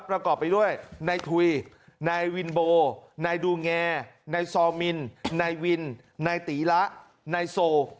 ประกอบไปด้วยนายทุยนายวินโบนายดูแงนายซอมินนายวินนายตีละนายโซ